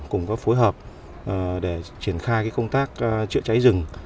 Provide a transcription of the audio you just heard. cùng có phối hợp để triển khai công tác chữa cháy rừng